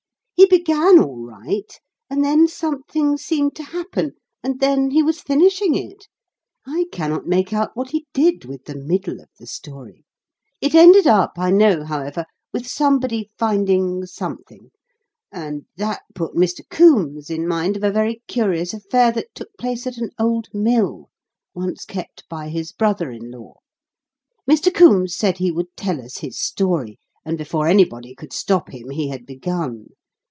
He began all right and then something seemed to happen, and then he was finishing it. I cannot make out what he did with the middle of the story. It ended up, I know, however, with somebody finding something; and that put Mr. Coombes in mind of a very curious affair that took place at an old Mill, once kept by his brother in law. Mr. Coombes said he would tell us his story, and before anybody could stop him, he had begun.